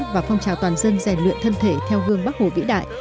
và phong trào toàn dân rèn luyện thân thể theo gương bắc hồ vĩ đại